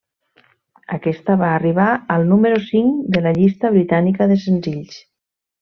Aquesta va arribar al número cinc de la llista britànica de senzills.